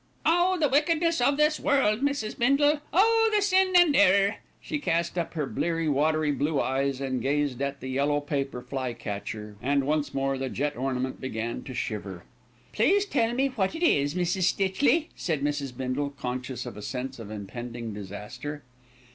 "Oh! the wickedness of this world, Mrs. Bindle. Oh! the sin and error." She cast up her bleary, watery blue eyes, and gazed at the yellow paper flycatcher, and once more the jet ornament began to shiver. "Please tell me what it is, Mrs. Stitchley," said Mrs. Bindle, conscious of a sense of impending disaster.